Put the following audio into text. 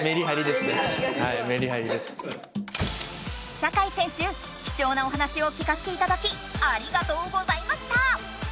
酒井選手きちょうなお話を聞かせていただきありがとうございました！